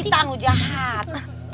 bu ranti tanggung jahat